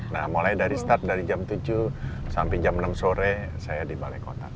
nah mulai dari start dari jam tujuh sampai jam enam sore saya di balai kota